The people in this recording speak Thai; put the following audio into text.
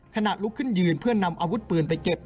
ขณะลุกขึ้นยืนเพื่อนำอาวุธปืนไปเก็บ